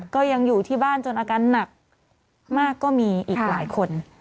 ก็ยังอยู่ที่บ้านจนอาการหนักมากก็มีอีกหลายคน